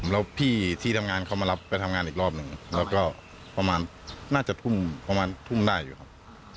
แล้วพี่ที่ทำงานเขามารับไปทำงานอีกรอบหนึ่งแล้วก็ประมาณน่าจะทุ่มประมาณทุ่มได้อยู่ครับ